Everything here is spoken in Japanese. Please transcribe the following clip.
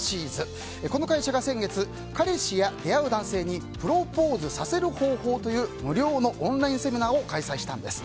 この会社が先月彼氏や出会う男性にプロポーズさせる方法という無料のオンラインセミナーを開催したんです。